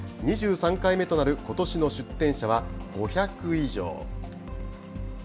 ２３回目となることしの出展者は、５００以上。